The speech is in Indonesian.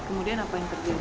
kemudian apa yang terjadi